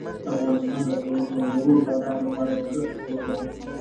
افغانستان د خپلو خوندورو بادامو لپاره یو ښه کوربه دی.